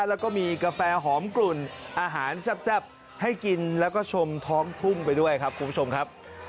แล้วก็มีกาแฟหอมกลุ่นอาหารแซ่บให้กินแล้วก็ชมท้องทุ่งไปด้วยครับคุณผู้ชมครับ